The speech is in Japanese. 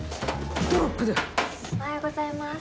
おはようございます。